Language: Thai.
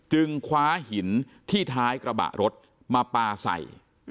คว้าหินที่ท้ายกระบะรถมาปลาใส่